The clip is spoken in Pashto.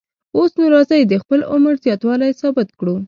اوس نو راځئ د خپل عمر زیاتوالی ثابت کړو.